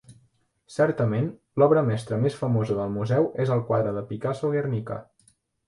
Certament, l'obra mestra més famosa del museu és el quadre de Picasso "Guernica".